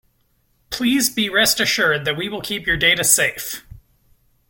Please be rest assured that we will keep your data safe.